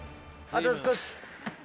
あと少し。